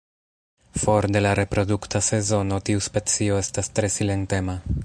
For de la reprodukta sezono tiu specio estas tre silentema.